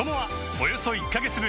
およそ１カ月分